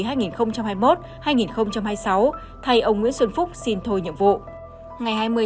thay ông nguyễn xuân phúc xin thôi nhiệm vụ